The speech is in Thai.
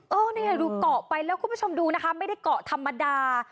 เออนี่ดูเกาะไปแล้วคุณผู้ชมดูนะคะไม่ได้เกาะธรรมดา